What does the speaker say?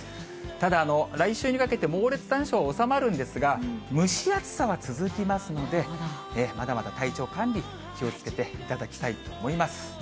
ただ、来週にかけて猛烈残暑は収まるんですが、蒸し暑さは続きますので、まだまだ体調管理、気をつけていただきたいと思います。